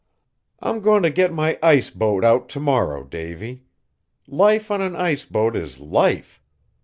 "I'm going to get my ice boat out to morrow, Davy. Life on an ice boat is life!